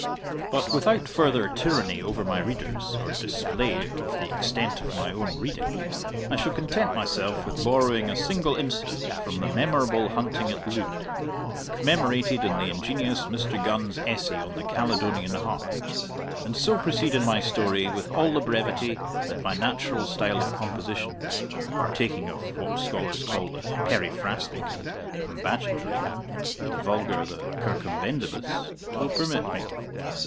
But without further tyranny over my readers, or display of the extent of my own reading, I shall content myself with borrowing a single incident from the memorable hunting at Lude, commemorated in the ingenious Mr. Gunn's essay on the Caledonian Harp, and so proceed in my story with all the brevity that my natural style of composition, partaking of what scholars call the periphrastic and ambagitory, and the vulgar the circumbendibus, will permit me.